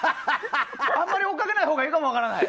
あまり追いかけないほうがいいかも分からない。